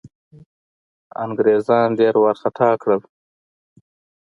انګرېزان ډېر وارخطا کړل.